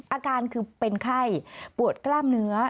อาการคือเป็นไข้ปวดกล้ามเนื้อ